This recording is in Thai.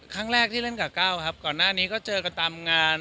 ครั้งแรกที่เล่นกับก้าวครับก่อนหน้านี้ก็เจอกันตามงาน